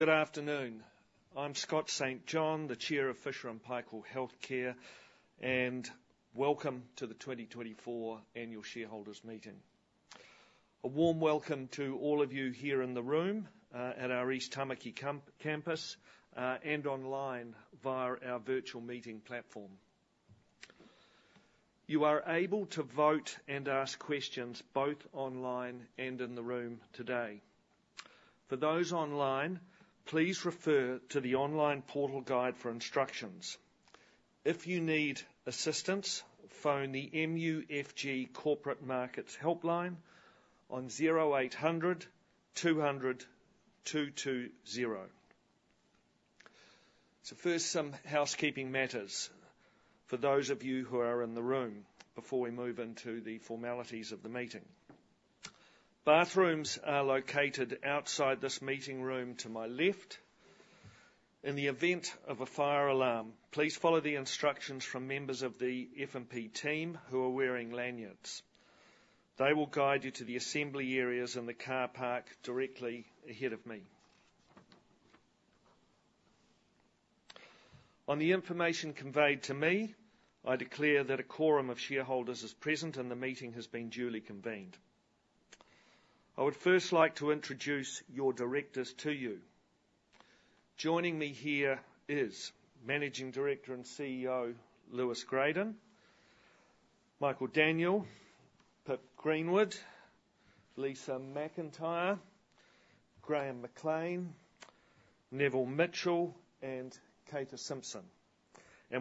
Good afternoon. I'm Scott St. John, the Chair of Fisher & Paykel Healthcare, and welcome to the 2024 Annual Shareholders Meeting. A warm welcome to all of you here in the room at our East Tamaki campus, and online via our virtual meeting platform. You are able to vote and ask questions both online and in the room today. For those online, please refer to the online portal guide for instructions. If you need assistance, phone the MUFG Corporate Markets Helpline on zero eight hundred two hundred two two zero. So first, some housekeeping matters for those of you who are in the room before we move into the formalities of the meeting. Bathrooms are located outside this meeting room to my left. In the event of a fire alarm, please follow the instructions from members of the F&P team who are wearing lanyards. They will guide you to the assembly areas in the car park directly ahead of me. On the information conveyed to me, I declare that a quorum of shareholders is present, and the meeting has been duly convened. I would first like to introduce your directors to you. Joining me here is Managing Director and CEO, Lewis Gradon, Michael Daniell, Pip Greenwood, Lisa McIntyre, Graham McLean, Neville Mitchell, and Kate Simpson.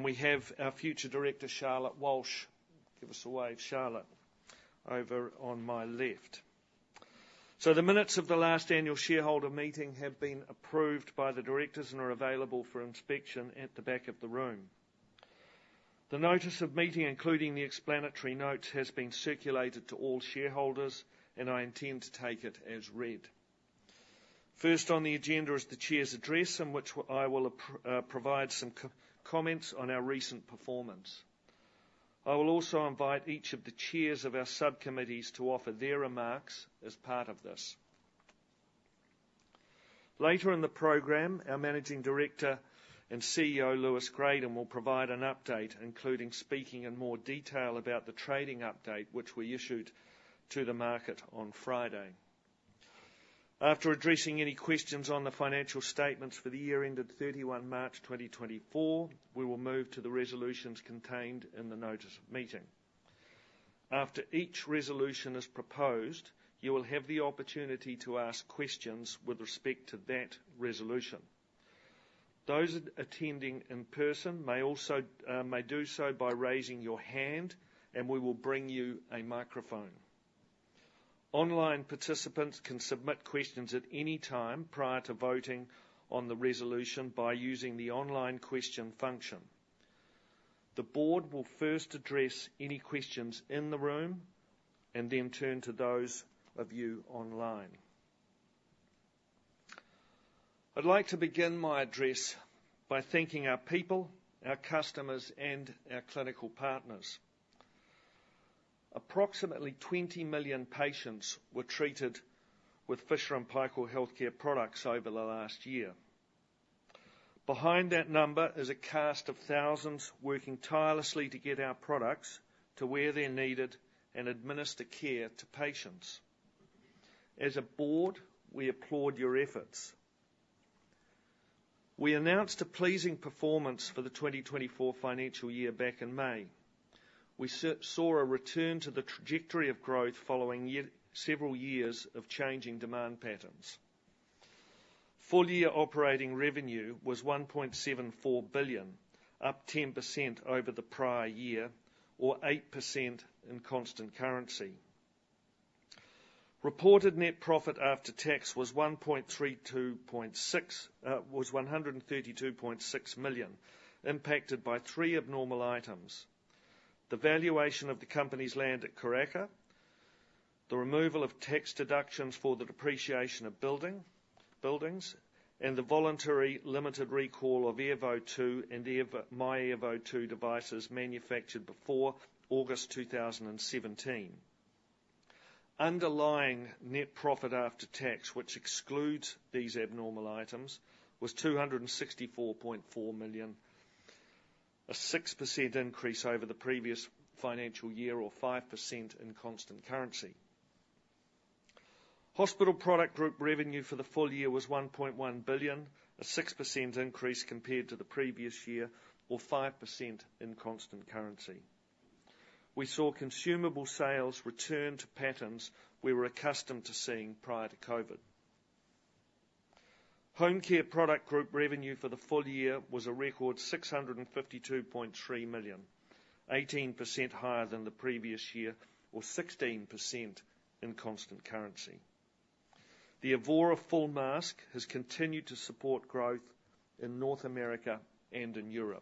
We have our future director, Charlotte Walsh. Give us a wave, Charlotte. Over on my left. The minutes of the last annual shareholder meeting have been approved by the directors and are available for inspection at the back of the room. The notice of meeting, including the explanatory notes, has been circulated to all shareholders, and I intend to take it as read. First on the agenda is the chair's address, in which I will provide some comments on our recent performance. I will also invite each of the chairs of our subcommittees to offer their remarks as part of this. Later in the program, our Managing Director and CEO, Lewis Gradon, will provide an update, including speaking in more detail about the trading update, which we issued to the market on Friday. After addressing any questions on the financial statements for the year ended 31 March 2024, we will move to the resolutions contained in the notice of meeting. After each resolution is proposed, you will have the opportunity to ask questions with respect to that resolution. Those attending in person may also do so by raising your hand, and we will bring you a microphone. Online participants can submit questions at any time prior to voting on the resolution by using the online question function. The board will first address any questions in the room and then turn to those of you online. I'd like to begin my address by thanking our people, our customers, and our clinical partners. Approximately 20 million patients were treated with Fisher & Paykel Healthcare products over the last year. Behind that number is a cast of thousands, working tirelessly to get our products to where they're needed and administer care to patients. As a board, we applaud your efforts. We announced a pleasing performance for the 2024 financial year back in May. We saw a return to the trajectory of growth following several years of changing demand patterns. Full-year operating revenue was 1.74 billion, up 10% over the prior year, or 8% in constant currency. Reported net profit after tax was one hundred and 32.6 million, impacted by three abnormal items: the valuation of the company's land at Karaka, the removal of tax deductions for the depreciation of buildings, and the voluntary limited recall of Airvo 2 and the myAirvo 2 devices manufactured before August 2017. Underlying net profit after tax, which excludes these abnormal items, was two hundred and sixty-four point four million, a 6% increase over the previous financial year or 5% in constant currency. Hospital Product Group revenue for the full year was 1.1 billion, a 6% increase compared to the previous year or 5% in constant currency. We saw consumable sales return to patterns we were accustomed to seeing prior to COVID. HomeCare Product Group revenue for the full year was a record 652.3 million, 18% higher than the previous year or 16% in constant currency. The Evora Full Mask has continued to support growth in North America and in Europe.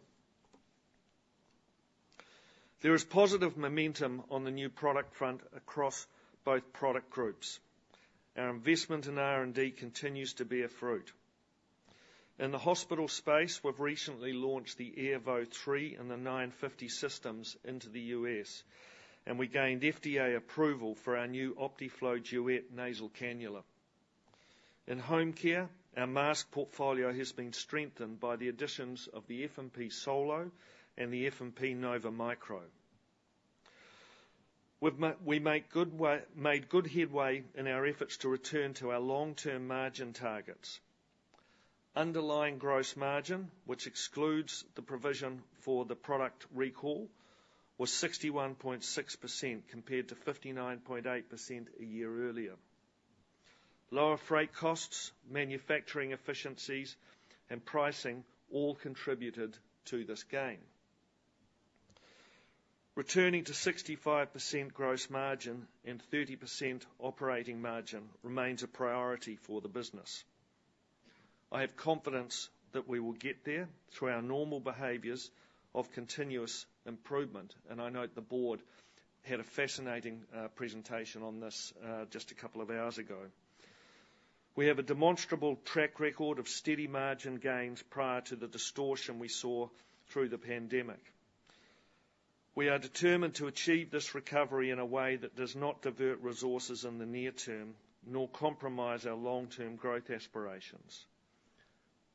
There is positive momentum on the new product front across both product groups. Our investment in R&D continues to bear fruit. In the hospital space, we've recently launched the Airvo 3 and the 950 systems into the U.S., and we gained FDA approval for our new Optiflow Duet nasal cannula. In home care, our mask portfolio has been strengthened by the additions of the F&P Solo and the F&P Nova Micro. We've made good headway in our efforts to return to our long-term margin targets. Underlying gross margin, which excludes the provision for the product recall, was 61.6%, compared to 59.8% a year earlier. Lower freight costs, manufacturing efficiencies, and pricing all contributed to this gain. Returning to 65% gross margin and 30% operating margin remains a priority for the business. I have confidence that we will get there through our normal behaviors of continuous improvement, and I note the board had a fascinating presentation on this just a couple of hours ago. We have a demonstrable track record of steady margin gains prior to the distortion we saw through the pandemic. We are determined to achieve this recovery in a way that does not divert resources in the near term, nor compromise our long-term growth aspirations.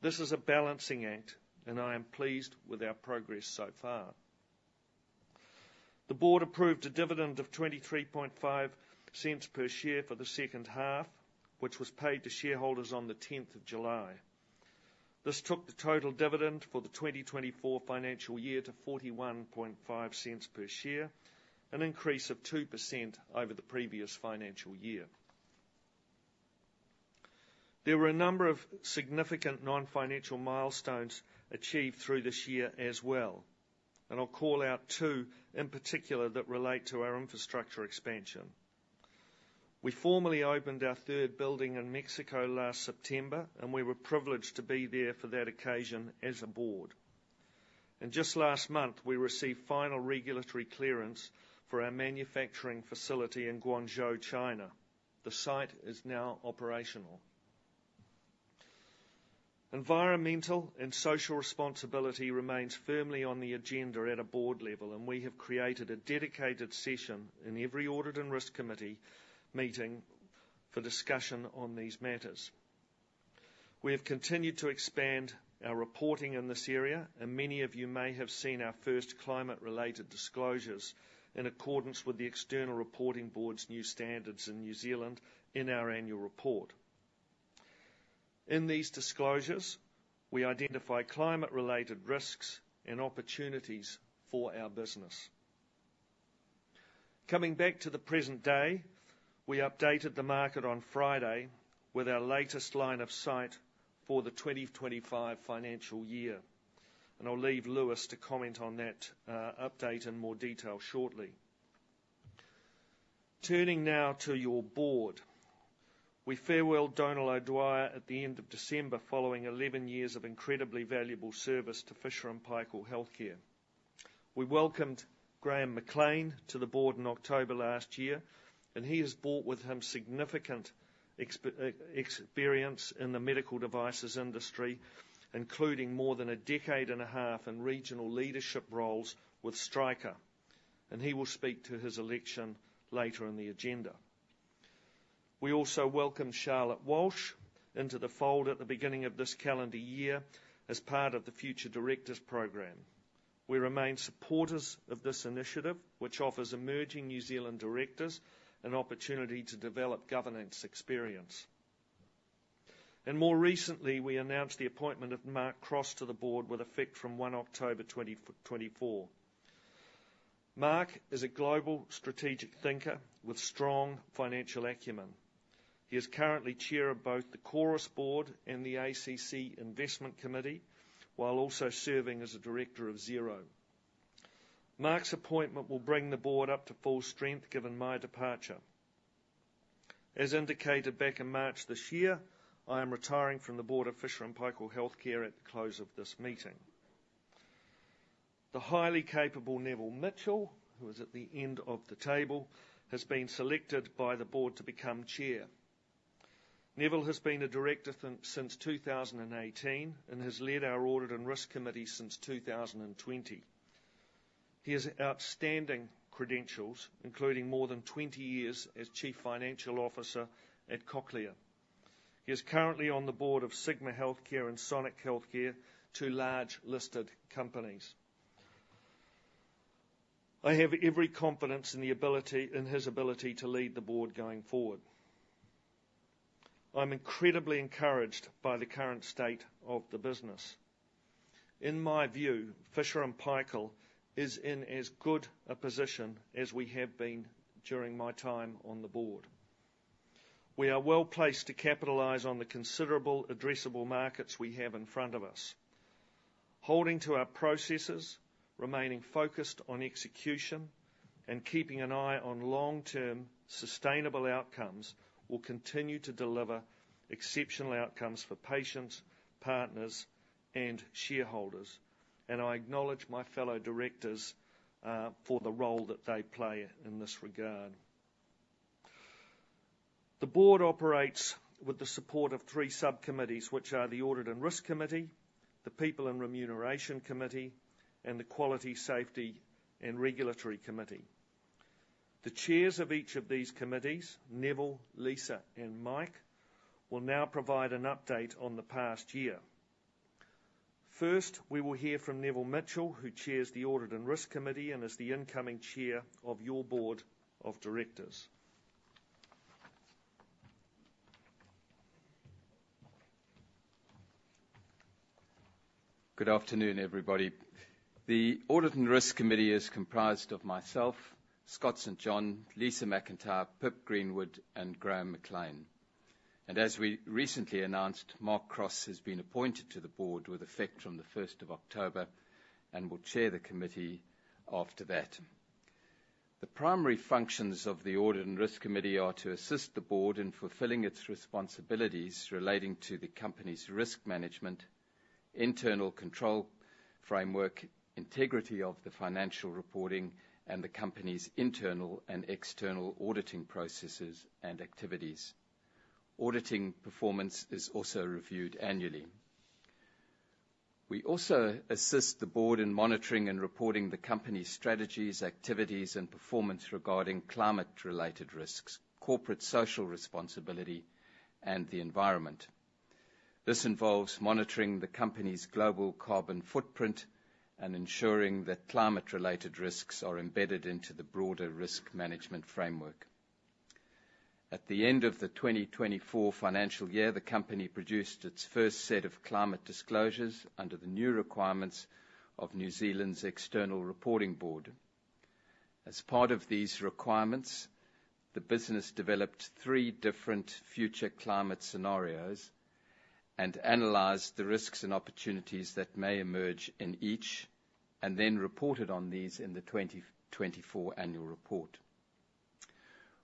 This is a balancing act, and I am pleased with our progress so far. The board approved a dividend of 0.235 per share for the second half, which was paid to shareholders on the tenth of July. This took the total dividend for the 2024 financial year to 0.415 per share, an increase of 2% over the previous financial year. There were a number of significant non-financial milestones achieved through this year as well, and I'll call out two in particular that relate to our infrastructure expansion. We formally opened our third building in Mexico last September, and we were privileged to be there for that occasion as a board. And just last month, we received final regulatory clearance for our manufacturing facility in Guangzhou, China. The site is now operational. Environmental and social responsibility remains firmly on the agenda at a board level, and we have created a dedicated session in every audit and risk committee meeting for discussion on these matters. We have continued to expand our reporting in this area, and many of you may have seen our first climate-related disclosures in accordance with the External Reporting Board's new standards in New Zealand in our annual report. In these disclosures, we identify climate-related risks and opportunities for our business. Coming back to the present day, we updated the market on Friday with our latest line of sight for the 2025 financial year, and I'll leave Lewis to comment on that update in more detail shortly. Turning now to your board. We farewelled Donal O'Dwyer at the end of December, following eleven years of incredibly valuable service to Fisher & Paykel Healthcare. We welcomed Graham McLean to the board in October last year, and he has brought with him significant experience in the medical devices industry, including more than a decade and a half in regional leadership roles with Stryker, and he will speak to his election later in the agenda. We also welcomed Charlotte Walsh into the fold at the beginning of this calendar year as part of the Future Directors program. We remain supporters of this initiative, which offers emerging New Zealand directors an opportunity to develop governance experience. More recently, we announced the appointment of Mark Cross to the board with effect from one October twenty-four. Mark is a global strategic thinker with strong financial acumen. He is currently chair of both the Chorus Board and the ACC Investment Committee, while also serving as a director of Xero. Mark's appointment will bring the board up to full strength, given my departure. As indicated back in March this year, I am retiring from the board of Fisher & Paykel Healthcare at the close of this meeting. The highly capable Neville Mitchell, who is at the end of the table, has been selected by the board to become chair. Neville has been a director since two thousand and eighteen and has led our Audit and Risk Committee since two thousand and twenty. He has outstanding credentials, including more than 20 years as chief financial officer at Cochlear. He is currently on the board of Sigma Healthcare and Sonic Healthcare, two large listed companies. I have every confidence in his ability to lead the board going forward. I'm incredibly encouraged by the current state of the business. In my view, Fisher & Paykel is in as good a position as we have been during my time on the board. We are well placed to capitalize on the considerable addressable markets we have in front of us. Holding to our processes, remaining focused on execution, and keeping an eye on long-term sustainable outcomes will continue to deliver exceptional outcomes for patients, partners, and shareholders, and I acknowledge my fellow directors for the role that they play in this regard. The board operates with the support of three subcommittees, which are the Audit and Risk Committee, the People and Remuneration Committee, and the Quality, Safety, and Regulatory Committee. The chairs of each of these committees, Neville, Lisa, and Mike, will now provide an update on the past year. First, we will hear from Neville Mitchell, who chairs the Audit and Risk Committee and is the incoming chair of your board of directors. Good afternoon, everybody. The Audit and Risk Committee is comprised of myself, Scott St. John, Lisa McIntyre, Pip Greenwood, and Graham McLean, and as we recently announced, Mark Cross has been appointed to the board with effect from the 1st of October, and will chair the committee after that. The primary functions of the Audit and Risk Committee are to assist the board in fulfilling its responsibilities relating to the company's risk management, internal control framework, integrity of the financial reporting, and the company's internal and external auditing processes and activities. Auditing performance is also reviewed annually. We also assist the board in monitoring and reporting the company's strategies, activities, and performance regarding climate-related risks, corporate social responsibility, and the environment. This involves monitoring the company's global carbon footprint and ensuring that climate-related risks are embedded into the broader risk management framework. At the end of the 2024 financial year, the company produced its first set of climate disclosures under the new requirements of New Zealand's External Reporting Board. As part of these requirements, the business developed three different future climate scenarios and analyzed the risks and opportunities that may emerge in each, and then reported on these in the 2024 annual report.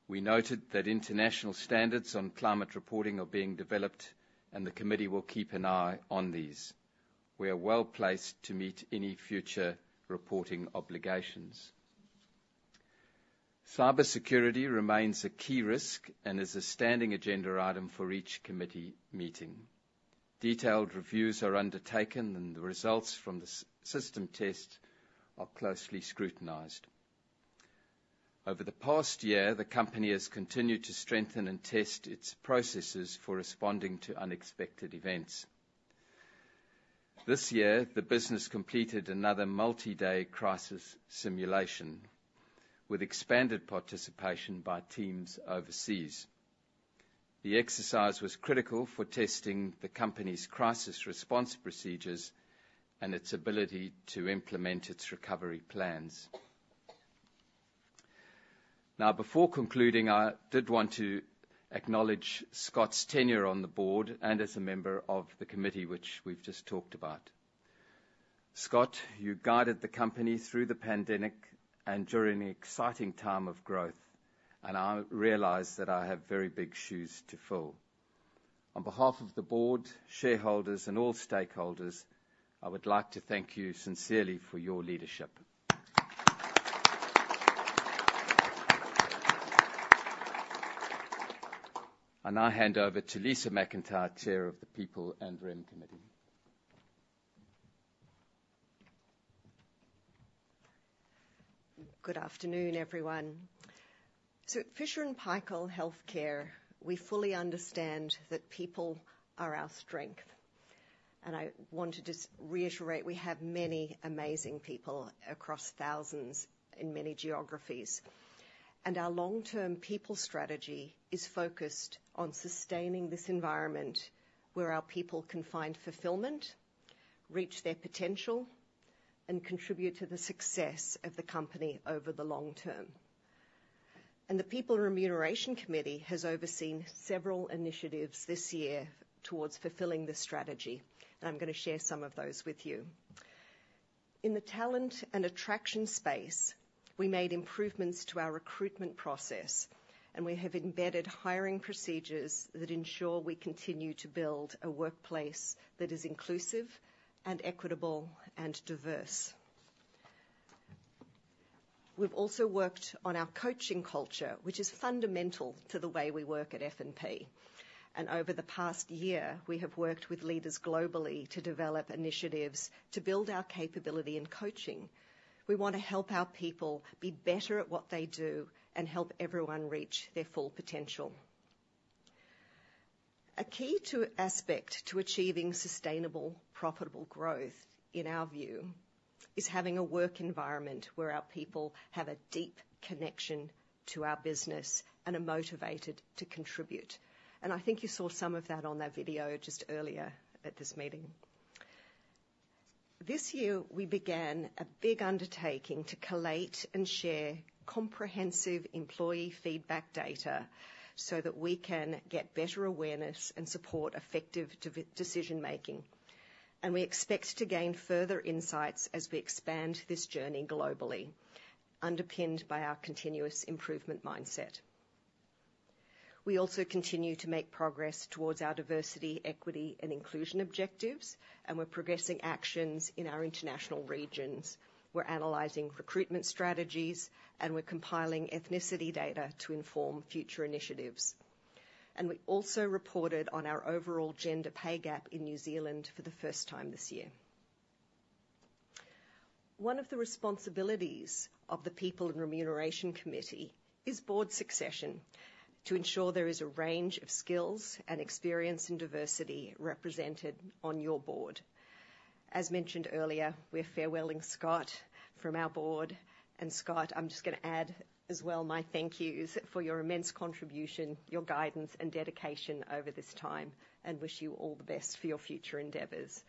We noted that international standards on climate reporting are being developed, and the committee will keep an eye on these. We are well-placed to meet any future reporting obligations. Cybersecurity remains a key risk and is a standing agenda item for each committee meeting. Detailed reviews are undertaken, and the results from the system test are closely scrutinized. Over the past year, the company has continued to strengthen and test its processes for responding to unexpected events. This year, the business completed another multi-day crisis simulation with expanded participation by teams overseas. The exercise was critical for testing the company's crisis response procedures and its ability to implement its recovery plans. Now, before concluding, I did want to acknowledge Scott's tenure on the board and as a member of the committee, which we've just talked about. Scott, you guided the company through the pandemic and during an exciting time of growth, and I realize that I have very big shoes to fill. On behalf of the board, shareholders, and all stakeholders, I would like to thank you sincerely for your leadership. I now hand over to Lisa McIntyre, Chair of the People and Rem Committee. Good afternoon, everyone. So at Fisher & Paykel Healthcare, we fully understand that people are our strength, and I want to just reiterate, we have many amazing people across thousands in many geographies. And our long-term people strategy is focused on sustaining this environment where our people can find fulfillment, reach their potential, and contribute to the success of the company over the long term. And the People and Remuneration Committee has overseen several initiatives this year towards fulfilling this strategy, and I'm gonna share some of those with you. In the talent and attraction space, we made improvements to our recruitment process, and we have embedded hiring procedures that ensure we continue to build a workplace that is inclusive and equitable and diverse. We've also worked on our coaching culture, which is fundamental to the way we work at F&P. Over the past year, we have worked with leaders globally to develop initiatives to build our capability in coaching. We want to help our people be better at what they do and help everyone reach their full potential. A key aspect to achieving sustainable, profitable growth, in our view, is having a work environment where our people have a deep connection to our business and are motivated to contribute, and I think you saw some of that on that video just earlier at this meeting. This year, we began a big undertaking to collate and share comprehensive employee feedback data so that we can get better awareness and support effective decision-making. We expect to gain further insights as we expand this journey globally, underpinned by our continuous improvement mindset. We also continue to make progress towards our diversity, equity, and inclusion objectives, and we're progressing actions in our international regions. We're analyzing recruitment strategies, and we're compiling ethnicity data to inform future initiatives... and we also reported on our overall gender pay gap in New Zealand for the first time this year. One of the responsibilities of the People and Remuneration Committee is board succession, to ensure there is a range of skills and experience and diversity represented on your board. As mentioned earlier, we're farewelling Scott from our board, and Scott, I'm just gonna add as well my thank yous for your immense contribution, your guidance and dedication over this time, and wish you all the best for your future endeavors.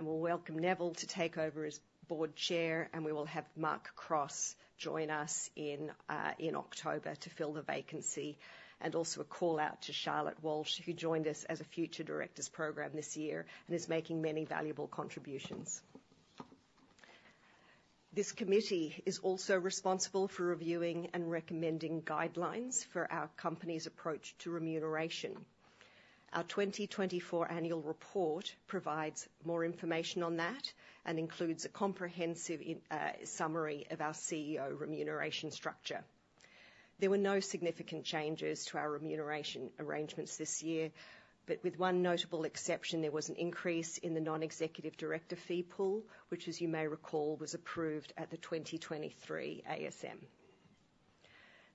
We'll welcome Neville to take over as board chair, and we will have Mark Cross join us in October to fill the vacancy, and also a call-out to Charlotte Walsh, who joined us as a Future Directors program this year and is making many valuable contributions. This committee is also responsible for reviewing and recommending guidelines for our company's approach to remuneration. Our 2024 annual report provides more information on that and includes a comprehensive summary of our CEO remuneration structure. There were no significant changes to our remuneration arrangements this year, but with one notable exception, there was an increase in the non-executive director fee pool, which, as you may recall, was approved at the 2023 ASM.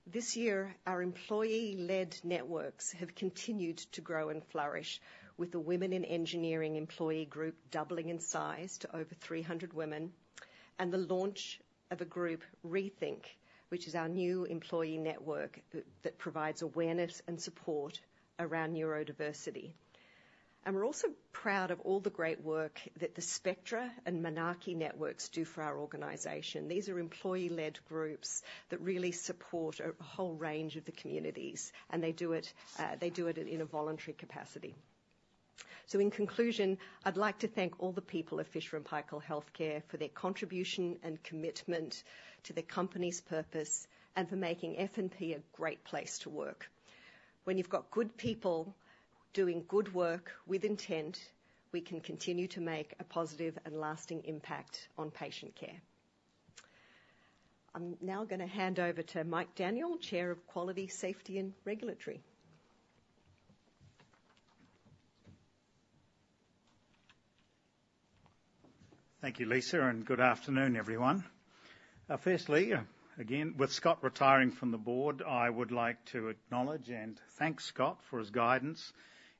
This year, our employee-led networks have continued to grow and flourish, with the Women in Engineering employee group doubling in size to over three hundred women, and the launch of a group, Rethink, which is our new employee network that provides awareness and support around neurodiversity. We're also proud of all the great work that the Spectra and Manaaki networks do for our organization. These are employee-led groups that really support a whole range of the communities, and they do it in a voluntary capacity. In conclusion, I'd like to thank all the people at Fisher & Paykel Healthcare for their contribution and commitment to the company's purpose and for making F&P a great place to work. When you've got good people doing good work with intent, we can continue to make a positive and lasting impact on patient care. I'm now gonna hand over to Mike Daniel, Chair of Quality, Safety and Regulatory. Thank you, Lisa, and good afternoon, everyone. Firstly, again, with Scott retiring from the board, I would like to acknowledge and thank Scott for his guidance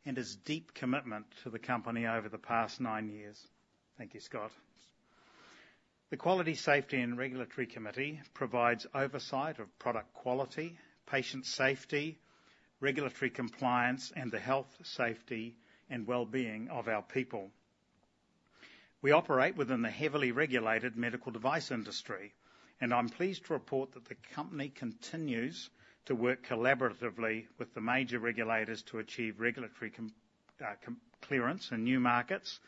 and his deep commitment to the company over the past nine years. Thank you, Scott. The Quality, Safety, and Regulatory Committee provides oversight of product quality, patient safety, regulatory compliance, and the health, safety, and wellbeing of our people. We operate within the heavily regulated medical device industry, and I'm pleased to report that the company continues to work collaboratively with the major regulators to achieve regulatory clearance in new markets,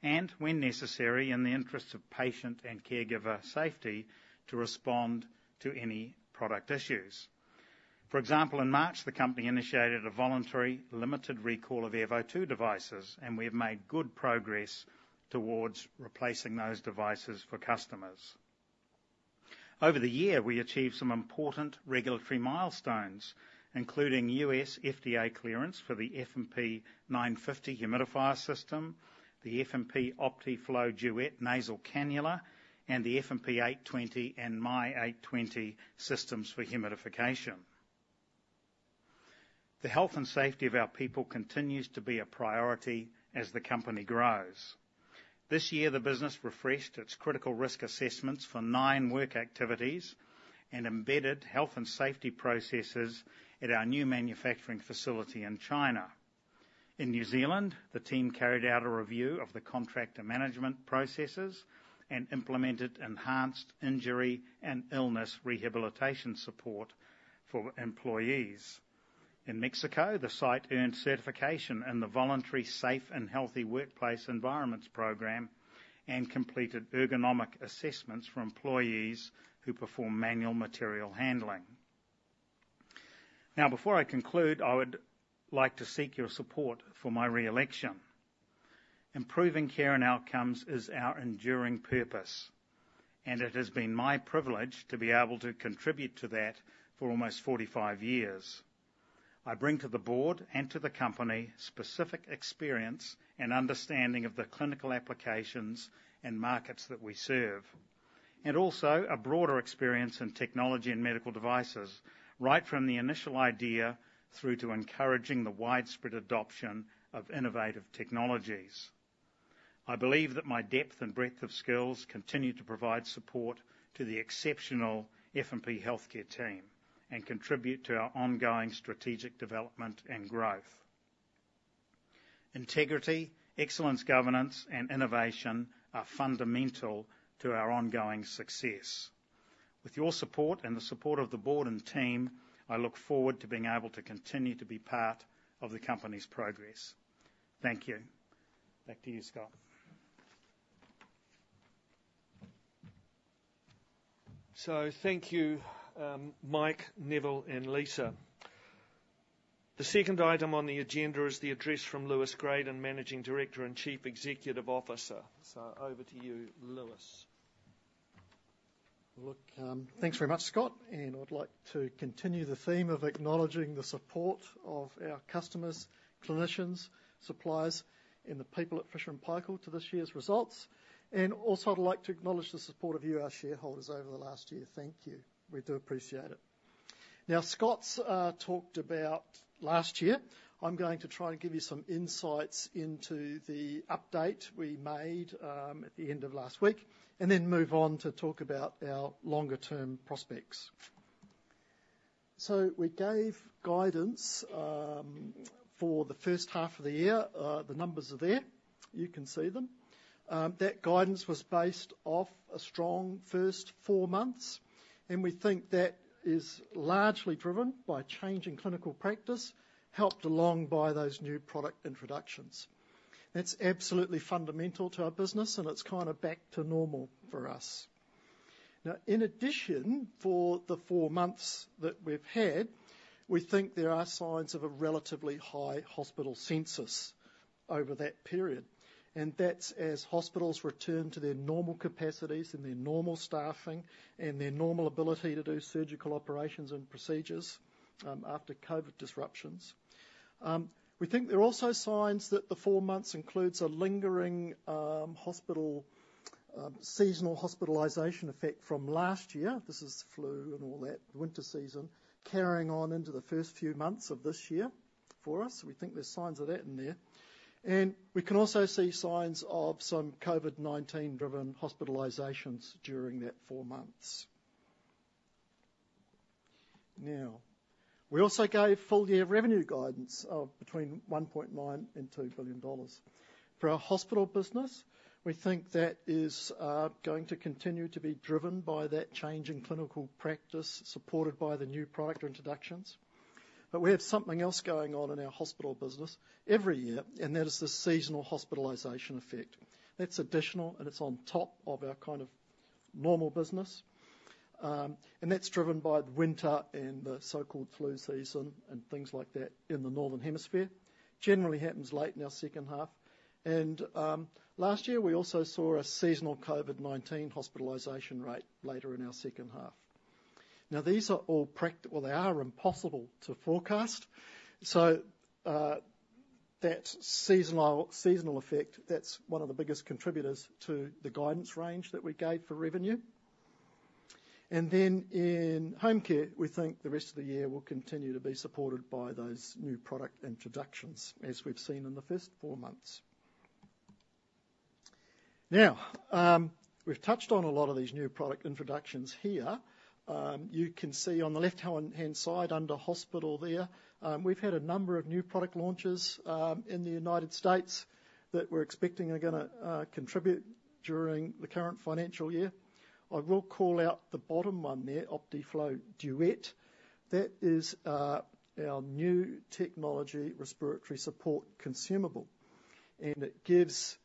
and when necessary, in the interests of patient and caregiver safety, to respond to any product issues. For example, in March, the company initiated a voluntary, limited recall of Airvo 2 devices, and we have made good progress towards replacing those devices for customers. Over the year, we achieved some important regulatory milestones, including U.S. FDA clearance for the F&P 950 humidifier system, the F&P Optiflow Duet nasal cannula, and the F&P 820 and My820 systems for humidification. The health and safety of our people continues to be a priority as the company grows. This year, the business refreshed its critical risk assessments for nine work activities and embedded health and safety processes at our new manufacturing facility in China. In New Zealand, the team carried out a review of the contractor management processes and implemented enhanced injury and illness rehabilitation support for employees. In Mexico, the site earned certification in the voluntary Safe and Healthy Workplace Environments program and completed ergonomic assessments for employees who perform manual material handling. Now, before I conclude, I would like to seek your support for my re-election. Improving care and outcomes is our enduring purpose, and it has been my privilege to be able to contribute to that for almost forty-five years. I bring to the board and to the company specific experience and understanding of the clinical applications and markets that we serve, and also a broader experience in technology and medical devices, right from the initial idea through to encouraging the widespread adoption of innovative technologies. I believe that my depth and breadth of skills continue to provide support to the exceptional F&P Healthcare team and contribute to our ongoing strategic development and growth. Integrity, excellence, governance, and innovation are fundamental to our ongoing success. With your support and the support of the board and team, I look forward to being able to continue to be part of the company's progress. Thank you. Back to you, Scott. So thank you, Mike, Neville, and Lisa. The second item on the agenda is the address from Lewis Gradon, the Managing Director and Chief Executive Officer. So over to you, Lewis.... Well, look, thanks very much, Scott, and I would like to continue the theme of acknowledging the support of our customers, clinicians, suppliers, and the people at Fisher & Paykel to this year's results. And also, I'd like to acknowledge the support of you, our shareholders, over the last year. Thank you. We do appreciate it. Now, Scott's talked about last year. I'm going to try and give you some insights into the update we made at the end of last week, and then move on to talk about our longer-term prospects. So we gave guidance for the first half of the year. The numbers are there. You can see them. That guidance was based off a strong first four months, and we think that is largely driven by changing clinical practice, helped along by those new product introductions. That's absolutely fundamental to our business, and it's kind of back to normal for us. Now, in addition, for the four months that we've had, we think there are signs of a relatively high hospital census over that period, and that's as hospitals return to their normal capacities and their normal staffing and their normal ability to do surgical operations and procedures, after COVID disruptions. We think there are also signs that the four months includes a lingering, hospital, seasonal hospitalization effect from last year. This is flu and all that, winter season, carrying on into the first few months of this year for us. We think there's signs of that in there. And we can also see signs of some COVID-19-driven hospitalizations during that four months. Now, we also gave full-year revenue guidance of between 1.9 billion and 2 billion dollars. For our hospital business, we think that is going to continue to be driven by that change in clinical practice, supported by the new product introductions. But we have something else going on in our hospital business every year, and that is the seasonal hospitalization effect. That's additional, and it's on top of our kind of normal business, and that's driven by the winter and the so-called flu season and things like that in the Northern Hemisphere. Generally happens late in our second half, and last year we also saw a seasonal COVID-19 hospitalization rate later in our second half. Now, these are all. Well, they are impossible to forecast, so that seasonal effect, that's one of the biggest contributors to the guidance range that we gave for revenue. And then in home care, we think the rest of the year will continue to be supported by those new product introductions, as we've seen in the first four months. Now, we've touched on a lot of these new product introductions here. You can see on the left-hand side, under hospital there, we've had a number of new product launches, in the United States that we're expecting are gonna contribute during the current financial year. I will call out the bottom one there, Optiflow Duet. That is, our new technology respiratory support consumable, and it gives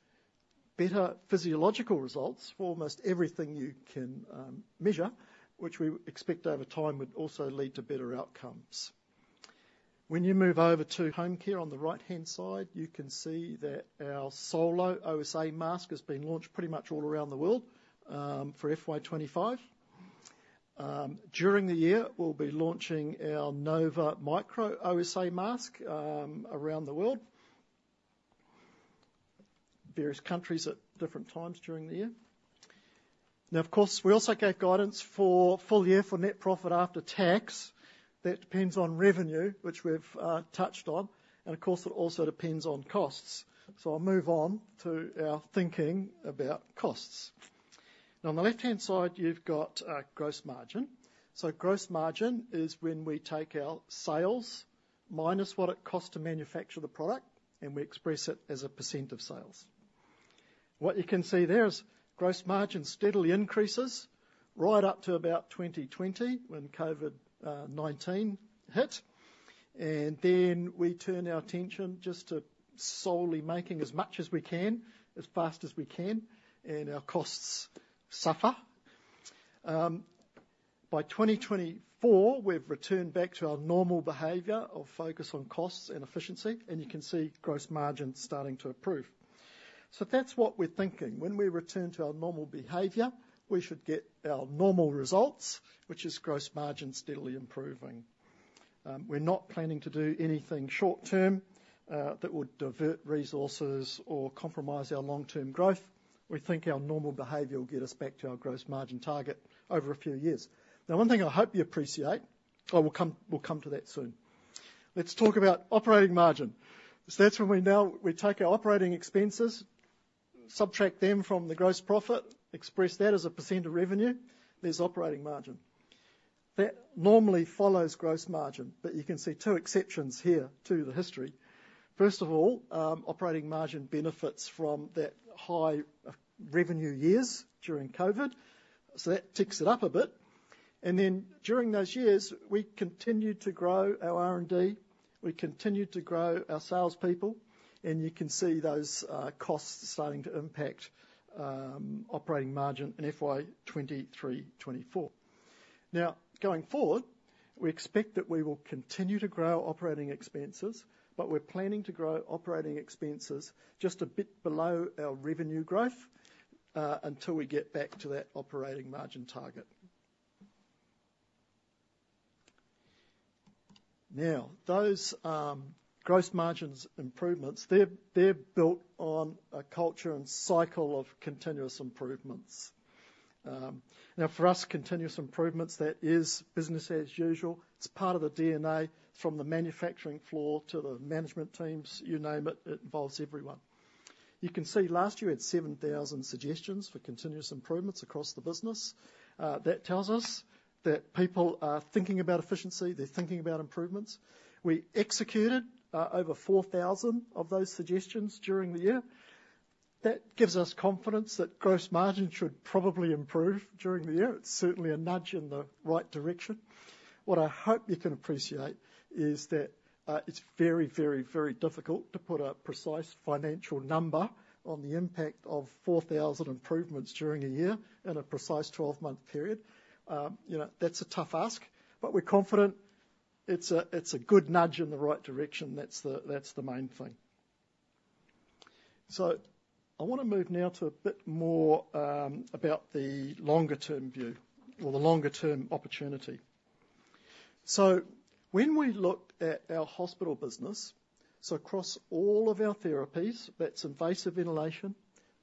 better physiological results for almost everything you can measure, which we expect over time would also lead to better outcomes. When you move over to home care, on the right-hand side, you can see that our Solo OSA mask has been launched pretty much all around the world for FY 2025. During the year, we'll be launching our Nova Micro OSA mask around the world, various countries at different times during the year. Now, of course, we also gave guidance for full year for net profit after tax. That depends on revenue, which we've touched on, and of course, it also depends on costs, so I'll move on to our thinking about costs. Now, on the left-hand side, you've got our gross margin, so gross margin is when we take our sales minus what it costs to manufacture the product, and we express it as a % of sales. What you can see there is gross margin steadily increases right up to about 2020, when COVID-19 hit, and then we turn our attention just to solely making as much as we can, as fast as we can, and our costs suffer. By 2024, we've returned back to our normal behavior of focus on costs and efficiency, and you can see gross margin starting to improve. So that's what we're thinking. When we return to our normal behavior, we should get our normal results, which is gross margin steadily improving. We're not planning to do anything short-term that would divert resources or compromise our long-term growth. We think our normal behavior will get us back to our gross margin target over a few years. Now, one thing I hope you appreciate, we'll come to that soon. Let's talk about operating margin. So that's when we now, we take our operating expenses, subtract them from the gross profit, express that as a % of revenue, there's operating margin. That normally follows gross margin, but you can see two exceptions here to the history. First of all, operating margin benefits from that high revenue years during COVID, so that ticks it up a bit. And then, during those years, we continued to grow our R&D, we continued to grow our salespeople, and you can see those, costs starting to impact, operating margin in FY 2023, 2024. Now, going forward, we expect that we will continue to grow operating expenses, but we're planning to grow operating expenses just a bit below our revenue growth, until we get back to that operating margin target. Now, those gross margins improvements, they're built on a culture and cycle of continuous improvements. Now, for us, continuous improvements, that is business as usual. It's part of the DNA, from the manufacturing floor to the management teams. You name it, it involves everyone. You can see last year we had seven thousand suggestions for continuous improvements across the business. That tells us that people are thinking about efficiency, they're thinking about improvements. We executed over four thousand of those suggestions during the year. That gives us confidence that gross margin should probably improve during the year. It's certainly a nudge in the right direction. What I hope you can appreciate is that it's very, very, very difficult to put a precise financial number on the impact of four thousand improvements during a year, in a precise twelve-month period. You know, that's a tough ask, but we're confident it's a, it's a good nudge in the right direction. That's the, that's the main thing. So I want to move now to a bit more about the longer term view or the longer term opportunity. So when we look at our hospital business, so across all of our therapies, that's invasive ventilation,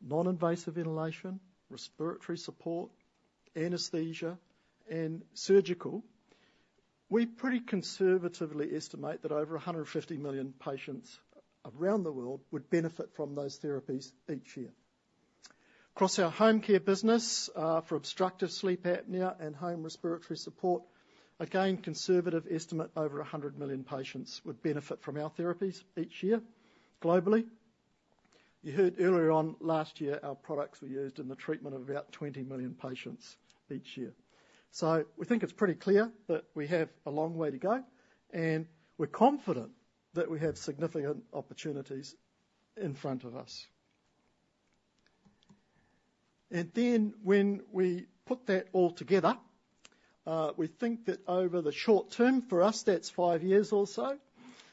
non-invasive ventilation, respiratory support, anesthesia, and surgical, we pretty conservatively estimate that over 150 million patients around the world would benefit from those therapies each year. Across our home care business, for obstructive sleep apnea and home respiratory support, again, conservative estimate, over 100 million patients would benefit from our therapies each year globally. You heard earlier on, last year, our products were used in the treatment of about 20 million patients each year. So we think it's pretty clear that we have a long way to go, and we're confident that we have significant opportunities in front of us. And then, when we put that all together, we think that over the short term, for us, that's five years or so.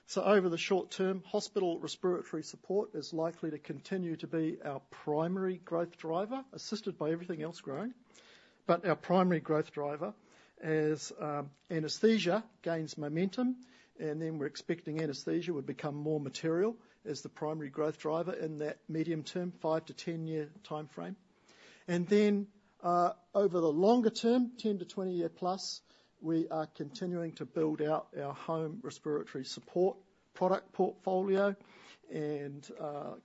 So over the short term, hospital respiratory support is likely to continue to be our primary growth driver, assisted by everything else growing. But our primary growth driver is, anesthesia gains momentum, and then we're expecting anesthesia would become more material as the primary growth driver in that medium term, five to 10-year timeframe. And then, over the longer term, 10-20 year plus, we are continuing to build out our home respiratory support product portfolio and,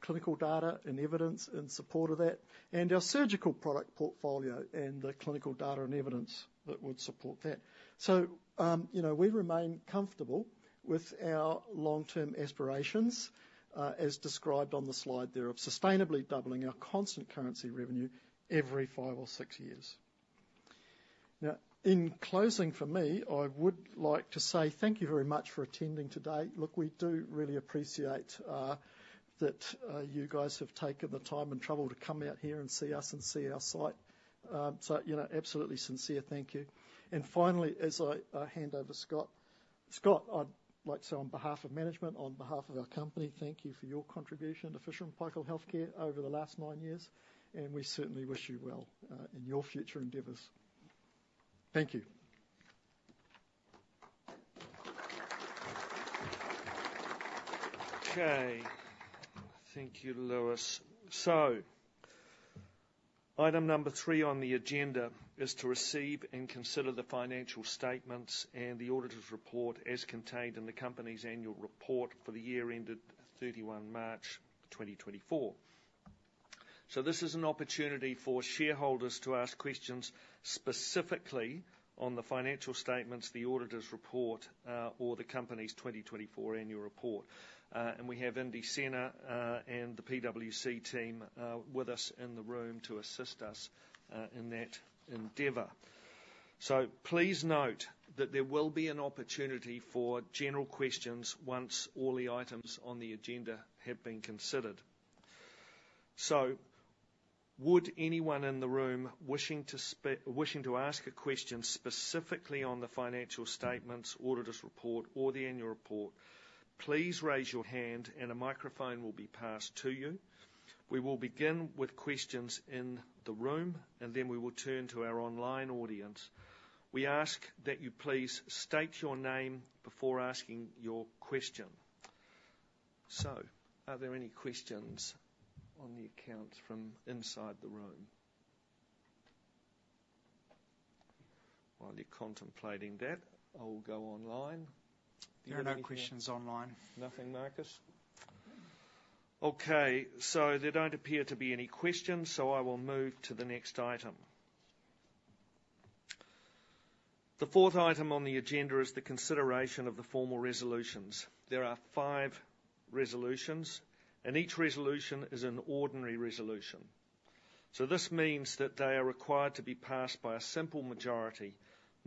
clinical data and evidence in support of that, and our surgical product portfolio and the clinical data and evidence that would support that. So, you know, we remain comfortable with our long-term aspirations, as described on the slide there, of sustainably doubling our constant currency revenue every 5 or 6 years. Now, in closing for me, I would like to say thank you very much for attending today. Look, we do really appreciate, that, you guys have taken the time and trouble to come out here and see us and see our site. So, you know, absolutely sincere, thank you. And finally, as I, hand over to Scott. Scott, I'd like to say on behalf of management, on behalf of our company, thank you for your contribution to Fisher & Paykel Healthcare over the last nine years, and we certainly wish you well in your future endeavors. Thank you. Okay. Thank you, Lewis. So item number three on the agenda is to receive and consider the financial statements and the auditor's report as contained in the company's annual report for the year ended 31 March 2024. So this is an opportunity for shareholders to ask questions specifically on the financial statements, the auditor's report, or the company's twenty twenty-four annual report. And we have Indy Sena and the PwC team with us in the room to assist us in that endeavor. So please note that there will be an opportunity for general questions once all the items on the agenda have been considered. So would anyone in the room wishing to ask a question specifically on the financial statements, auditor's report, or the annual report, please raise your hand and a microphone will be passed to you. We will begin with questions in the room, and then we will turn to our online audience. We ask that you please state your name before asking your question. So are there any questions on the account from inside the room? While you're contemplating that, I'll go online. There are no questions online. Nothing, Marcus? Okay, so there don't appear to be any questions, so I will move to the next item. The fourth item on the agenda is the consideration of the formal resolutions. There are five resolutions, and each resolution is an ordinary resolution. So this means that they are required to be passed by a simple majority,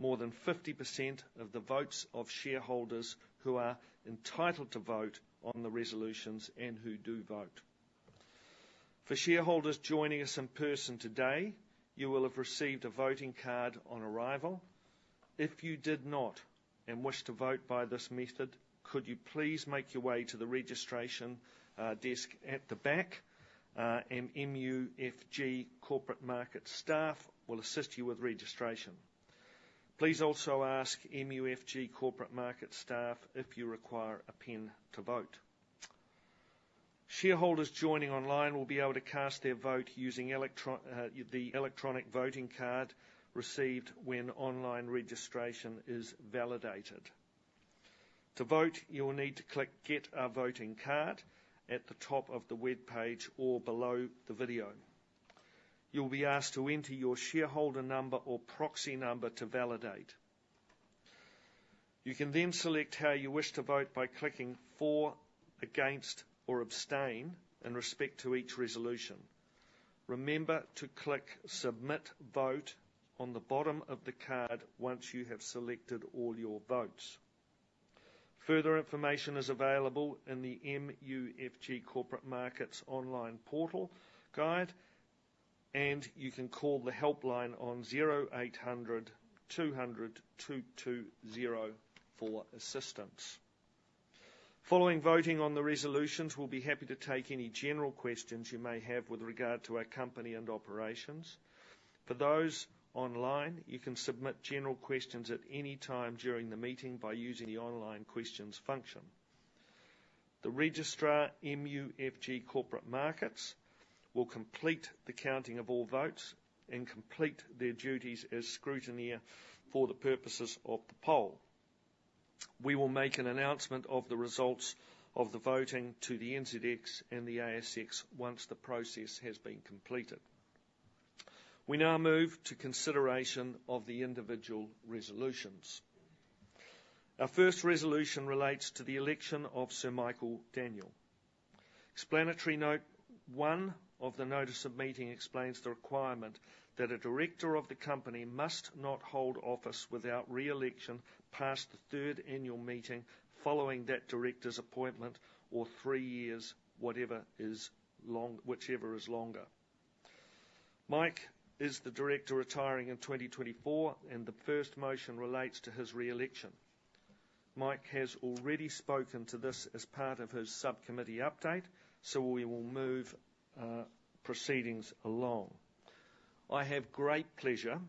more than fifty percent of the votes of shareholders who are entitled to vote on the resolutions and who do vote. For shareholders joining us in person today, you will have received a voting card on arrival. If you did not, and wish to vote by this method, could you please make your way to the registration desk at the back, and MUFG Corporate Markets staff will assist you with registration. Please also ask MUFG Corporate Markets staff if you require a PIN to vote. Shareholders joining online will be able to cast their vote using the electronic voting card received when online registration is validated. To vote, you will need to click Get a Voting Card at the top of the webpage or below the video. You'll be asked to enter your shareholder number or proxy number to validate. You can then select how you wish to vote by clicking For, Against, or Abstain in respect to each resolution. Remember to click Submit Vote on the bottom of the card once you have selected all your votes. Further information is available in the MUFG Corporate Markets online portal guide, and you can call the helpline on zero eight hundred two hundred two two zero for assistance. Following voting on the resolutions, we'll be happy to take any general questions you may have with regard to our company and operations. For those online, you can submit general questions at any time during the meeting by using the online questions function. The registrar, MUFG Corporate Markets, will complete the counting of all votes and complete their duties as scrutineer for the purposes of the poll. We will make an announcement of the results of the voting to the NZX and the ASX once the process has been completed. We now move to consideration of the individual resolutions. Our first resolution relates to the election of Sir Michael Daniell. Explanatory note one of the notice of meeting explains the requirement that a director of the company must not hold office without re-election past the third annual meeting following that director's appointment, or three years, whichever is longer. Mike is the director retiring in 2024, and the first motion relates to his re-election. Mike has already spoken to this as part of his subcommittee update, so we will move proceedings along. I have great pleasure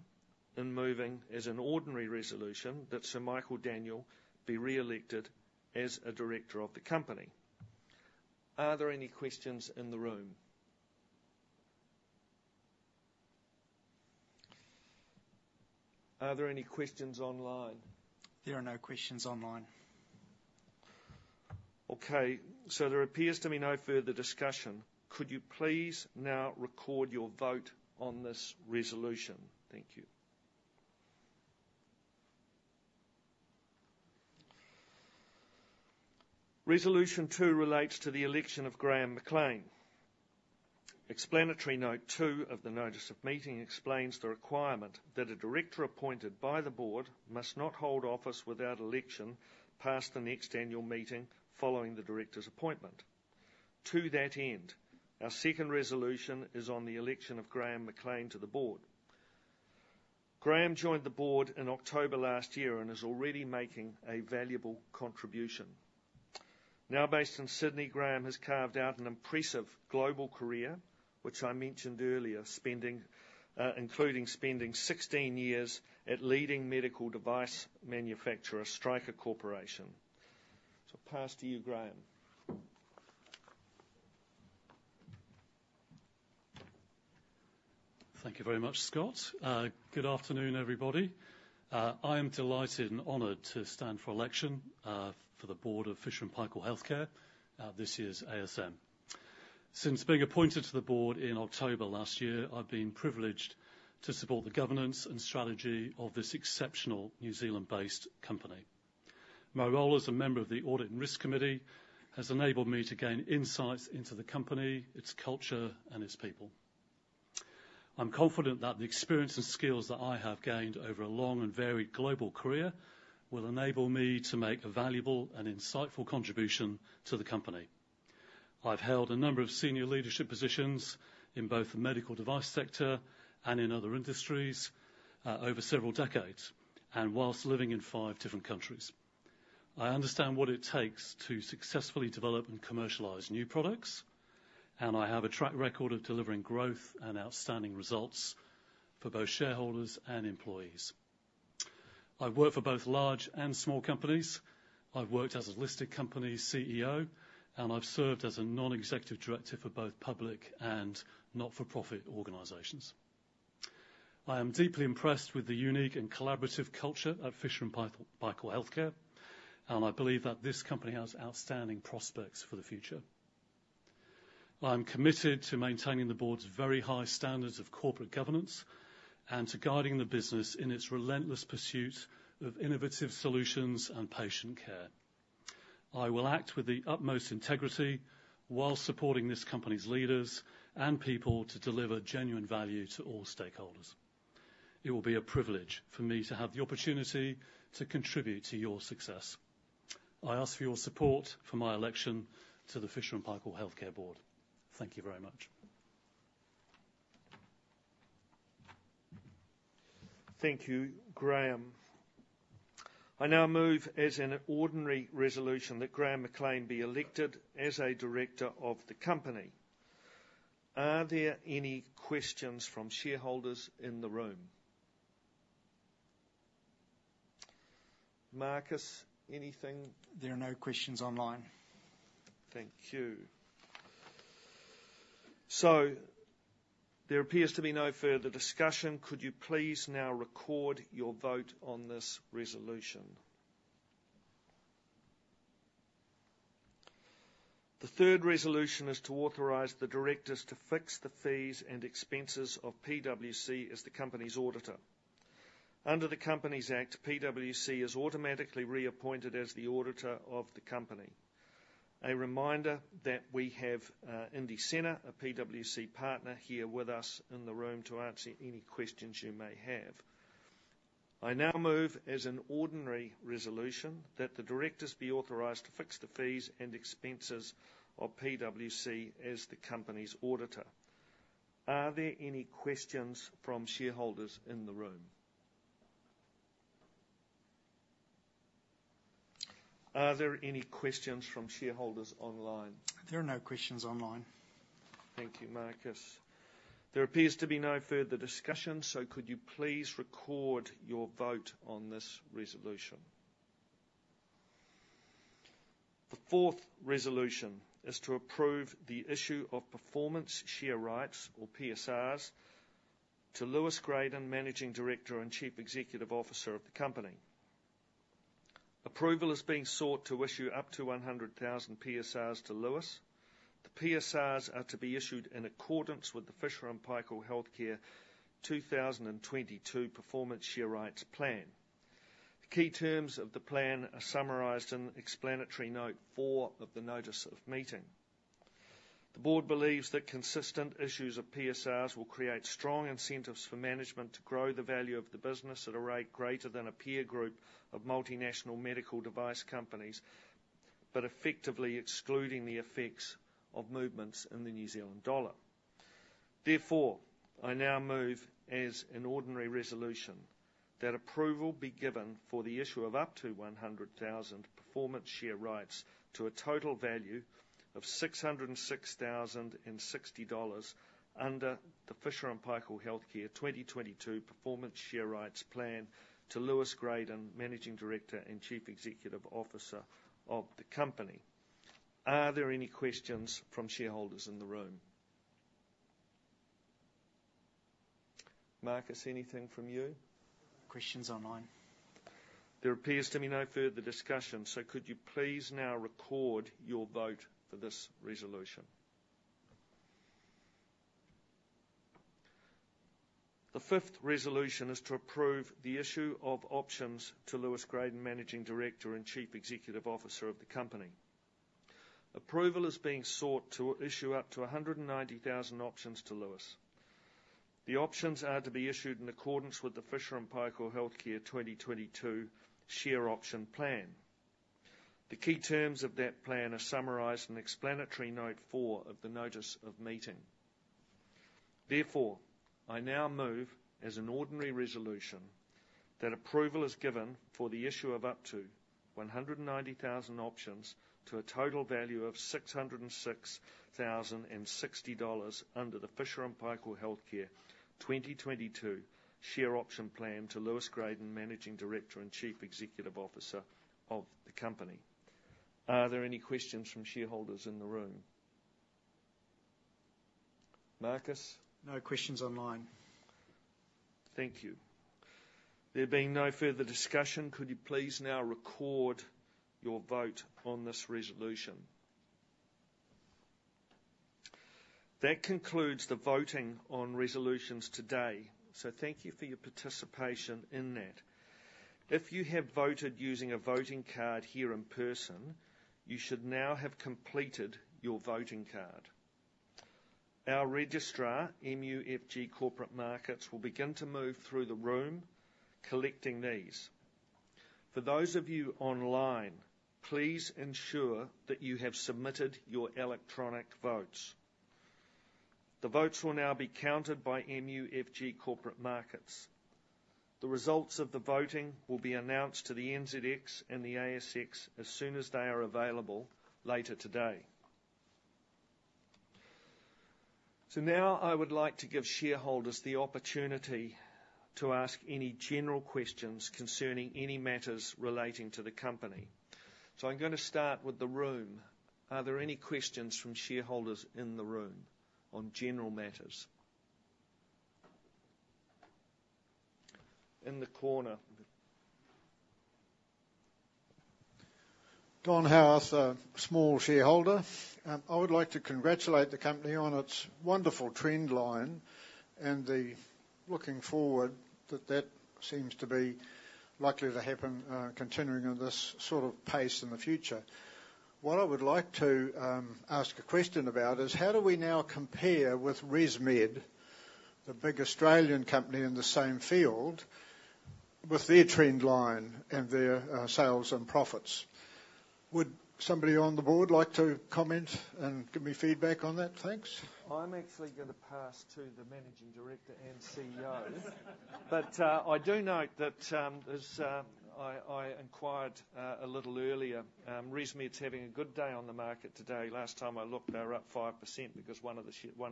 in moving as an ordinary resolution that Sir Michael Daniell be re-elected as a director of the company. Are there any questions in the room? Are there any questions online? There are no questions online. Okay, so there appears to be no further discussion. Could you please now record your vote on this resolution? Thank you. Resolution two relates to the election of Graham McLean. Explanatory note two of the notice of meeting explains the requirement that a director appointed by the board must not hold office without election past the next annual meeting following the director's appointment. To that end, our second resolution is on the election of Graham McLean to the board. Graham joined the board in October last year and is already making a valuable contribution. Now, based in Sydney, Graham has carved out an impressive global career, which I mentioned earlier, including spending 16 years at leading medical device manufacturer, Stryker Corporation. So pass to you, Graham. Thank you very much, Scott. Good afternoon, everybody. I am delighted and honored to stand for election for the board of Fisher & Paykel Healthcare at this year's ASM. Since being appointed to the board in October last year, I've been privileged to support the governance and strategy of this exceptional New Zealand-based company. My role as a member of the Audit and Risk Committee has enabled me to gain insights into the company, its culture, and its people. I'm confident that the experience and skills that I have gained over a long and varied global career will enable me to make a valuable and insightful contribution to the company. I've held a number of senior leadership positions in both the medical device sector and in other industries over several decades, and whilst living in five different countries. I understand what it takes to successfully develop and commercialize new products, and I have a track record of delivering growth and outstanding results for both shareholders and employees. I've worked for both large and small companies. I've worked as a listed company CEO, and I've served as a non-executive director for both public and not-for-profit organizations. I am deeply impressed with the unique and collaborative culture at Fisher & Paykel Healthcare, and I believe that this company has outstanding prospects for the future. I'm committed to maintaining the board's very high standards of corporate governance and to guiding the business in its relentless pursuit of innovative solutions and patient care. I will act with the utmost integrity while supporting this company's leaders and people to deliver genuine value to all stakeholders. It will be a privilege for me to have the opportunity to contribute to your success. I ask for your support for my election to the Fisher & Paykel Healthcare board. Thank you very much. Thank you, Graham. I now move as an ordinary resolution that Graham McLean be elected as a director of the company. Are there any questions from shareholders in the room? Marcus, anything? There are no questions online. Thank you. So there appears to be no further discussion. Could you please now record your vote on this resolution? The third resolution is to authorize the directors to fix the fees and expenses of PwC as the company's auditor. Under the Companies Act, PwC is automatically reappointed as the auditor of the company. A reminder that we have, in the center, a PwC partner here with us in the room to answer any questions you may have. I now move as an ordinary resolution that the directors be authorized to fix the fees and expenses of PwC as the company's auditor. Are there any questions from shareholders in the room? Are there any questions from shareholders online? There are no questions online. Thank you, Marcus. There appears to be no further discussion, so could you please record your vote on this resolution? The fourth resolution is to approve the issue of performance share rights, or PSRs, to Lewis Gradon, Managing Director and Chief Executive Officer of the company. Approval is being sought to issue up to one hundred thousand PSRs to Lewis. The PSRs are to be issued in accordance with the Fisher & Paykel Healthcare 2022 Performance Share Rights plan. The key terms of the plan are summarized in Explanatory Note four of the Notice of Meeting. The board believes that consistent issues of PSRs will create strong incentives for management to grow the value of the business at a rate greater than a peer group of multinational medical device companies, but effectively excluding the effects of movements in the New Zealand dollar. Therefore, I now move, as an ordinary resolution, that approval be given for the issue of up to 100,000 performance share rights to a total value of 606,060 dollars under the Fisher & Paykel Healthcare 2022 Performance Share Rights plan to Lewis Gradon, Managing Director and Chief Executive Officer of the company. Are there any questions from shareholders in the room? Marcus, anything from you? Questions online. There appears to be no further discussion, so could you please now record your vote for this resolution? The fifth resolution is to approve the issue of options to Lewis Gradon, Managing Director and Chief Executive Officer of the company. Approval is being sought to issue up to 190,000 options to Lewis. The options are to be issued in accordance with the Fisher & Paykel Healthcare 2022 Share Option Plan. The key terms of that plan are summarized in Explanatory Note four of the Notice of Meeting. Therefore, I now move, as an ordinary resolution, that approval is given for the issue of up to 190,000 options to a total value of 606,060 dollars under the Fisher & Paykel Healthcare 2022 Share Option Plan to Lewis Gradon, Managing Director and Chief Executive Officer of the company. Are there any questions from shareholders in the room? Marcus? No questions online. Thank you. There being no further discussion, could you please now record your vote on this resolution? That concludes the voting on resolutions today, so thank you for your participation in that. If you have voted using a voting card here in person, you should now have completed your voting card. Our registrar, MUFG Corporate Markets, will begin to move through the room, collecting these. For those of you online, please ensure that you have submitted your electronic votes. The votes will now be counted by MUFG Corporate Markets. The results of the voting will be announced to the NZX and the ASX as soon as they are available later today. So now I would like to give shareholders the opportunity to ask any general questions concerning any matters relating to the company. So I'm gonna start with the room. Are there any questions from shareholders in the room on general matters? In the corner. Don Huse, a small shareholder. I would like to congratulate the company on its wonderful trend line and, looking forward, that seems to be likely to happen, continuing on this sort of pace in the future. What I would like to ask a question about is: how do we now compare with ResMed, the big Australian company in the same field, with their trend line and their sales and profits? Would somebody on the board like to comment and give me feedback on that? Thanks. I'm actually gonna pass to the Managing Director and CEO. But, I do note that, as I inquired a little earlier, ResMed's having a good day on the market today. Last time I looked, they were up 5% because one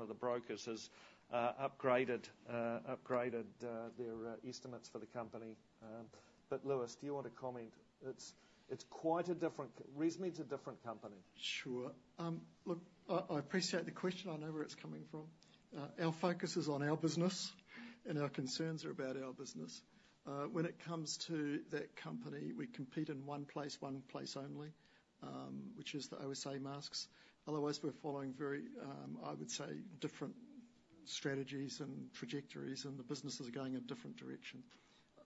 of the brokers has upgraded their estimates for the company. But Lewis, do you want to comment? It's quite a different... ResMed's a different company. Sure. Look, I appreciate the question. I know where it's coming from. Our focus is on our business, and our concerns are about our business. When it comes to that company, we compete in one place, one place only, which is the OSA masks. Otherwise, we're following very, I would say, different strategies and trajectories, and the businesses are going in different directions.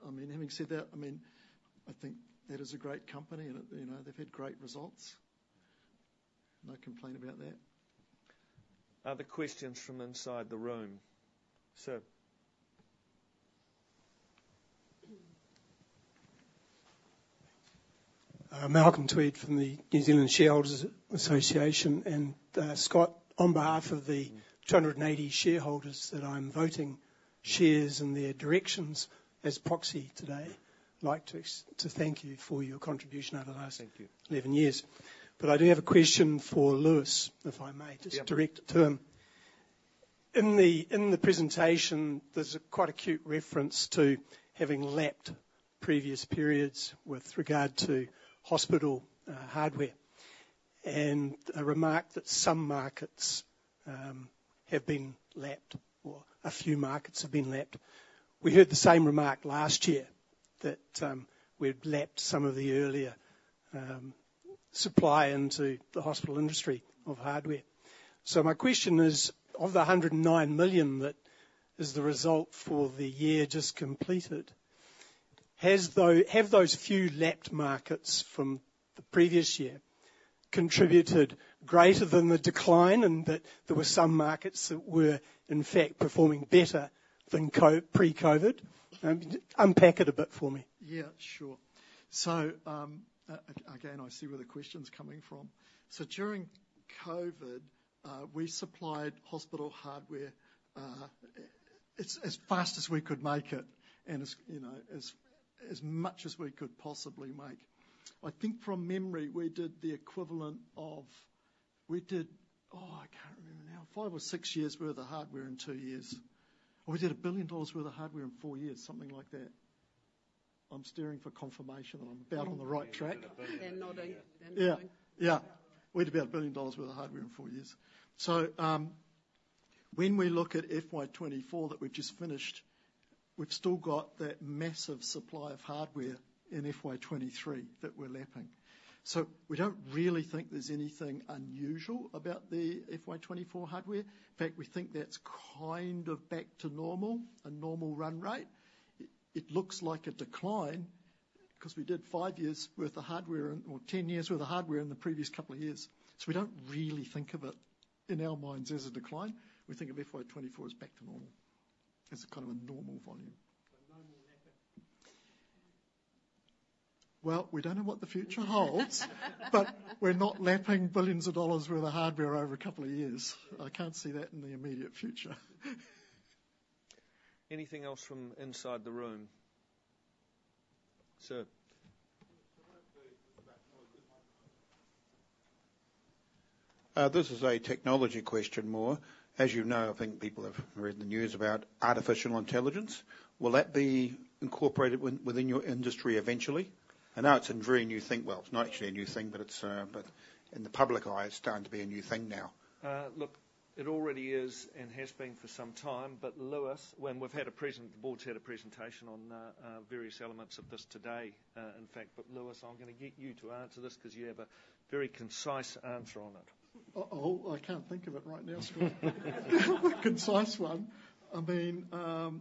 I mean, having said that, I mean, I think that is a great company and, you know, they've had great results. No complaint about that. Other questions from inside the room? Sir. Malcolm Tweed from the New Zealand Shareholders Association. And, Scott, on behalf of the 280 shareholders that I'm voting shares and their directions as proxy today, I'd like to thank you for your contribution over the last- Thank you eleven years. But I do have a question for Lewis, if I may- Yeah. Just direct to him. In the presentation, there's quite acute reference to having lapped previous periods with regard to hospital hardware, and a remark that some markets have been lapped or a few markets have been lapped. We heard the same remark last year, that we'd lapped some of the earlier supply into the hospital industry of hardware. So my question is, of the hundred and nine million, that is the result for the year just completed, have those few lapped markets from the previous year contributed greater than the decline, and that there were some markets that were, in fact, performing better than pre-COVID? Unpack it a bit for me. Yeah, sure. So, again, I see where the question's coming from. So during COVID, we supplied hospital hardware as fast as we could make it and as, you know, as much as we could possibly make. I think from memory, we did the equivalent of... We did, oh, I can't remember now, five or six years' worth of hardware in two years, or we did 1 billion dollars worth of hardware in four years, something like that. I'm asking for confirmation that I'm about on the right track. You're about a billion. They're nodding. Yeah. Yeah. We had about 1 billion dollars worth of hardware in four years. So, when we look at FY 2024 that we've just finished, we've still got that massive supply of hardware in FY 2023 that we're lapping. So we don't really think there's anything unusual about the FY 2024 hardware. In fact, we think that's kind of back to normal, a normal run rate. It, it looks like a decline 'cause we did five years worth of hardware or 10 years worth of hardware in the previous couple of years. So we don't really think of it, in our minds, as a decline. We think of FY 2024 as back to normal, as kind of a normal volume. So no more lapping? We don't know what the future holds, but we're not lapping billions of dollars worth of hardware over a couple of years. I can't see that in the immediate future. Anything else from inside the room? Sir. This is a technology question more. As you know, I think people have read in the news about artificial intelligence. Will that be incorporated with- within your industry eventually? I know it's a very new thing. Well, it's not actually a new thing, but it's, but in the public eye, it's starting to be a new thing now. Look, it already is and has been for some time, but Lewis, when the board's had a presentation on various elements of this today, in fact, but Lewis, I'm gonna get you to answer this 'cause you have a very concise answer on it. Oh, I can't think of it right now, Scott. A concise one. I mean,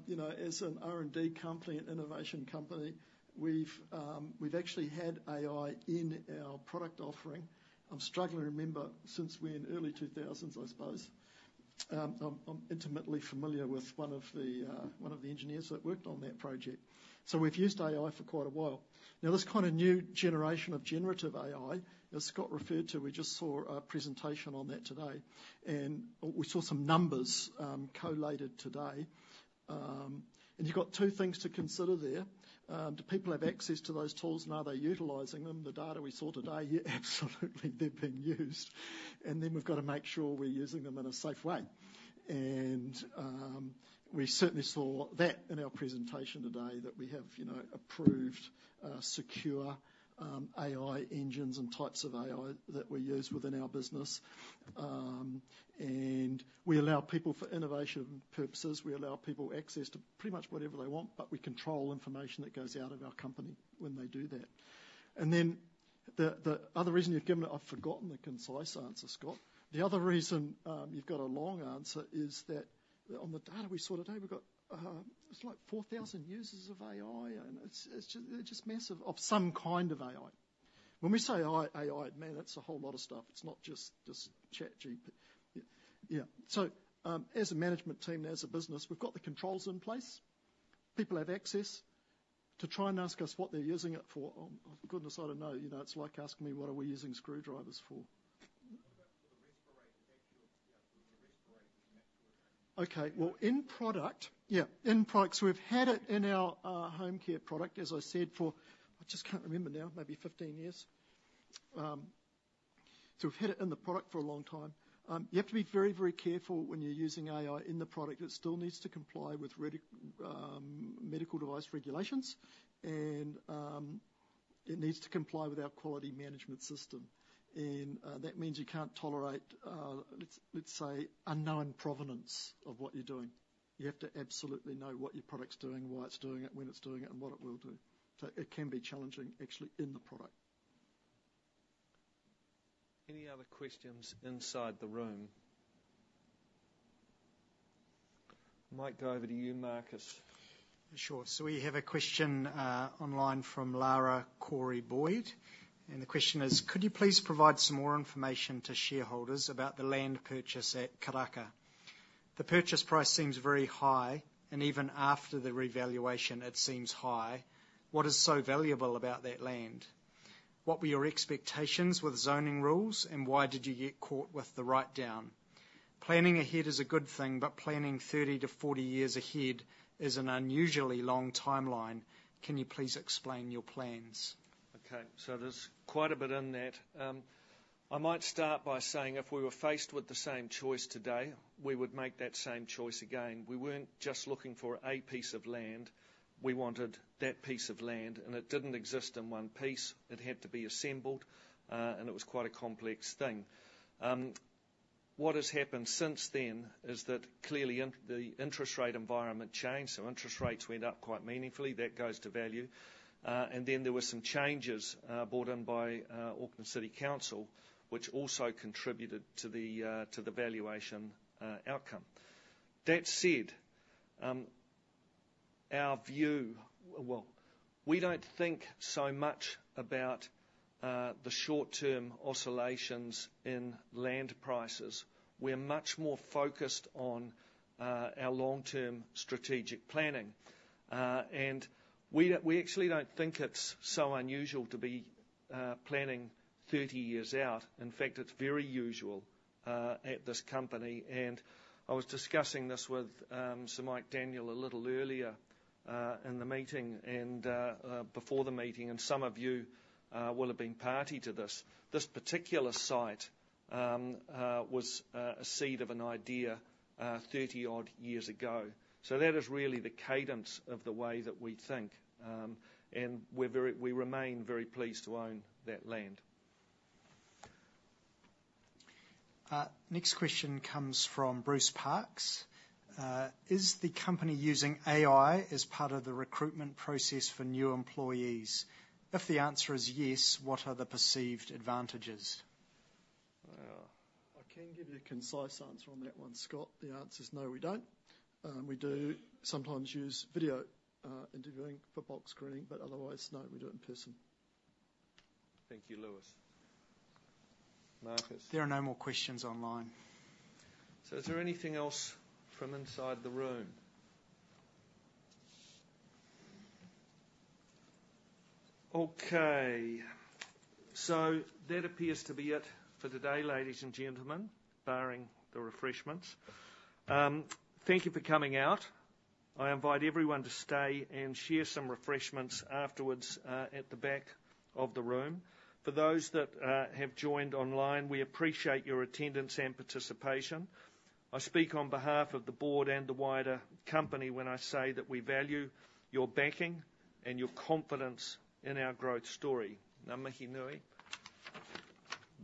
you know, as an R&D company, an innovation company, we've actually had AI in our product offering. I'm struggling to remember, since we're in early 2000s, I suppose. I'm intimately familiar with one of the engineers that worked on that project. So we've used AI for quite a while. Now, this kind of new generation of generative AI, as Scott referred to, we just saw a presentation on that today, and we saw some numbers collated today. And you've got two things to consider there. Do people have access to those tools, and are they utilizing them? The data we saw today, yeah, absolutely, they're being used. And then we've got to make sure we're using them in a safe way. And, we certainly saw that in our presentation today that we have, you know, approved, secure, AI engines and types of AI that we use within our business. And we allow people, for innovation purposes, we allow people access to pretty much whatever they want, but we control information that goes out of our company when they do that. And then, the other reason you've given it, I've forgotten the concise answer, Scott. The other reason, you've got a long answer is that on the data we saw today, we've got, it's like 4,000 users of AI, and it's, they're just massive, of some kind of AI. When we say AI, man, that's a whole lot of stuff. It's not just ChatGPT. Yeah. So, as a management team and as a business, we've got the controls in place. People have access to try and ask us what they're using it for. Oh, goodness, I don't know, you know. It's like asking me, what are we using screwdrivers for? What about for the respirators, actually, make sure that- Okay. In products, we've had it in our home care product, as I said, for, I just can't remember now, maybe 15 years. We've had it in the product for a long time. You have to be very, very careful when you're using AI in the product. It still needs to comply with regulatory medical device regulations, and it needs to comply with our quality management system. That means you can't tolerate, let's say, unknown provenance of what you're doing. You have to absolutely know what your product's doing, why it's doing it, when it's doing it, and what it will do. It can be challenging, actually, in the product. Any other questions inside the room? Might go over to you, Marcus. Sure. So we have a question, online from Lara Corey Boyd, and the question is: Could you please provide some more information to shareholders about the land purchase at Karaka? The purchase price seems very high, and even after the revaluation, it seems high. What is so valuable about that land? What were your expectations with zoning rules, and why did you get caught with the writedown? Planning ahead is a good thing, but planning 30-40 years ahead is an unusually long timeline. Can you please explain your plans? Okay, so there's quite a bit in that. I might start by saying if we were faced with the same choice today, we would make that same choice again. We weren't just looking for a piece of land, we wanted that piece of land, and it didn't exist in one piece. It had to be assembled, and it was quite a complex thing. What has happened since then is that clearly the interest rate environment changed, so interest rates went up quite meaningfully. That goes to value. And then there were some changes brought in by Auckland Council, which also contributed to the valuation outcome. That said, our view... well, we don't think so much about the short-term oscillations in land prices. We're much more focused on our long-term strategic planning. And we don't, we actually don't think it's so unusual to be planning 30 years out. In fact, it's very usual at this company. And I was discussing this with Sir Michael Daniell a little earlier in the meeting and before the meeting, and some of you will have been party to this. This particular site was a seed of an idea 30 odd years ago. So that is really the cadence of the way that we think, and we remain very pleased to own that land. Next question comes from Bruce Parkes. "Is the company using AI as part of the recruitment process for new employees? If the answer is yes, what are the perceived advantages? I can give you a concise answer on that one, Scott. The answer is no, we don't. We do sometimes use video interviewing for bulk screening, but otherwise, no, we do it in person. Thank you, Lewis. Marcus? There are no more questions online. So is there anything else from inside the room? Okay, so that appears to be it for today, ladies and gentlemen, barring the refreshments. Thank you for coming out. I invite everyone to stay and share some refreshments afterwards, at the back of the room. For those that have joined online, we appreciate your attendance and participation. I speak on behalf of the board and the wider company when I say that we value your backing and your confidence in our growth story. Ngā mihi nui.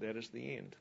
That is the end.